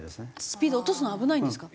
スピード落とすのは危ないんですか？